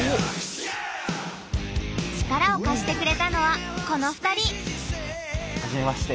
力を貸してくれたのはこの２人！